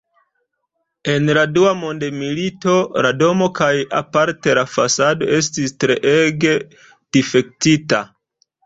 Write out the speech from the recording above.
En la Dua Mondmilito la domo kaj aparte la fasado estis treege difektita.